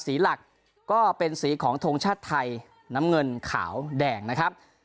สีหลักก็เป็นสีของทงชาติไทยน้ำเงินขาวแดงนะครับ